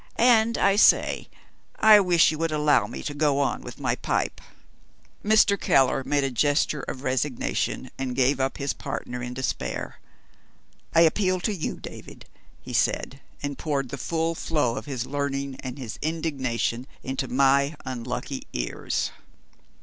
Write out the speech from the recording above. And I say, I wish you would allow me to go on with my pipe." Mr. Keller made a gesture of resignation, and gave up his partner in despair. "I appeal to you, David," he said, and poured the full flow of his learning and his indignation into my unlucky ears.